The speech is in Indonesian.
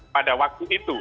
pada waktu itu